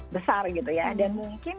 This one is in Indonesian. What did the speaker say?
besar gitu ya dan mungkin